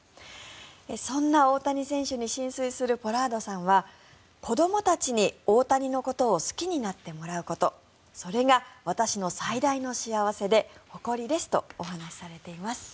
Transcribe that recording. そんな大谷選手に心酔するポラードさんは子どもたちに大谷のことを好きになってもらうことそれが私の最大の幸せで誇りですとお話しされています。